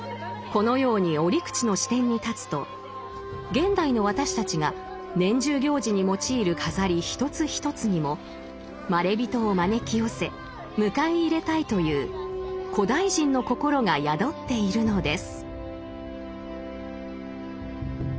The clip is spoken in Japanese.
このように折口の視点に立つと現代の私たちが年中行事に用いる飾り一つ一つにもまれびとを招き寄せ迎え入れたいという古代人の心が宿っているのです。